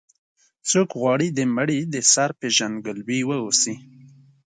څوک غواړي د مړي د سر پېژندګلوي واوسي.